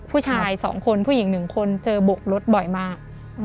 ผู้ชายสองคนผู้หญิงหนึ่งคนเจอบกลดบ่อยมาก